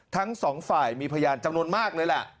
ทั้งสองฝ่ายมีพยานจำนวนมากเลยแหละ